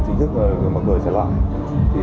thì công tác đầu tiên mà mọi người chuẩn bị